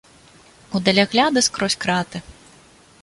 У далягляды скрозь краты.